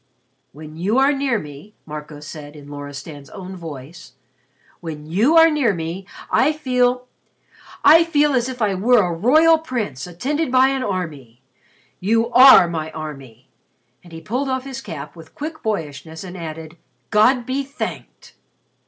"When you are near me," Marco said, in Loristan's own voice, "when you are near me, I feel I feel as if I were a royal prince attended by an army. You are my army." And he pulled off his cap with quick boyishness and added, "God be thanked!"